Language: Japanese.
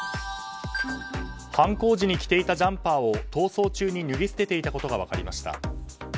犯行時に着ていたジャンパーを逃走中に脱ぎ捨てていたことが分かりました。